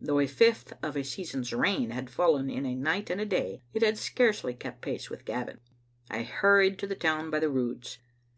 Though a fifth of a season's rain had fallen in a night and a day, it had scarcely kept pace with Gavin. I hurried to the town by the Roods.